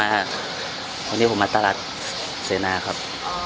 และอันดับสุดท้ายประเทศอเมริกา